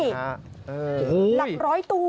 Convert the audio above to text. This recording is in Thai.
โอ้โฮรังร้อยตัว